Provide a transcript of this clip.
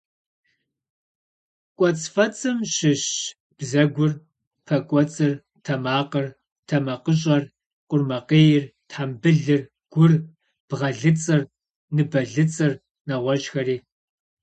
Кӏуэцӏфэцӏым щыщщ бзэгур, пэ кӏуэцӏыр, тэмакъыр, тэмакъыщӏэр, къурмакъейр, тхьэмбылыр, гур, бгъэлыцӏыр, ныбэлыцӏыр, нэгъуэщӏхэри.